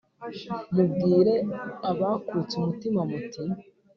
mubwire abakutse umutima, muti